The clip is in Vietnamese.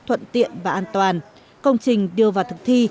thuận tiện và an toàn công trình đưa vào thực thi